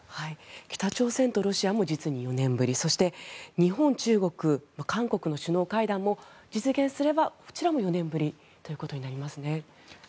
北朝鮮とロシアも実に４年ぶりそして日本、中国、韓国の首脳会談も実現すればこちらも４年ぶりということになりますね。